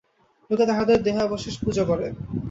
লোকে তাঁহাদের দেহাবশেষ পূজা করে।